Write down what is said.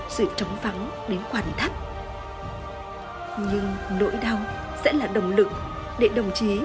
sự trống vắng đến hoàn thất nhưng nỗi đau sẽ là động lực để đồng chí